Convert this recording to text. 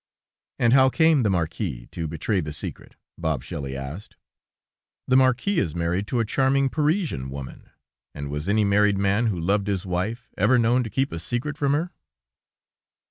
'" "And how came the marquis to betray the secret?" Bob Shelley asked. "The marquis is married to a charming Parisian woman, and was any married man, who loved his wife, ever known to keep a secret from her?"